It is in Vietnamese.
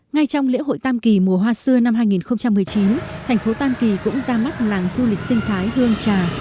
ngay trong lễ hội tam kỳ mùa hoa xưa năm hai nghìn một mươi chín thành phố tam kỳ cũng ra mắt làng du lịch sinh thái hương trà